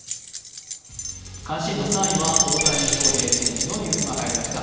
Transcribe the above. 関心度３位は大谷翔平選手のニュースが入りました。